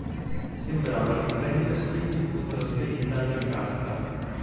Sembrava riprendersi e fu trasferita a Giacarta.